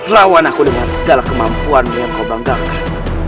lawan aku dengan segala kemampuan yang kau banggakan